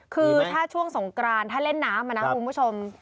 คือถ้าช่วงสงกรานถ้าเล่นน้ำนะคุณผู้ชม